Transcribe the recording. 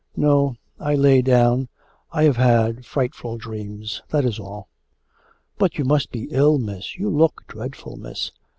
'No; I lay down.... I have had frightful dreams that is all.' 'But you must be ill, Miss; you look dreadful, Miss.